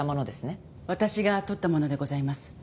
私が撮ったものでございます。